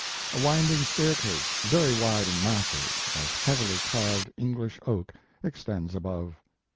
A winding staircase, very wide and massive, of heavily carved English oak extends above.